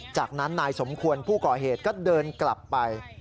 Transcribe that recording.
จากนั้นนายสมควรผู้ก่อเหตุก็เดินกลับไป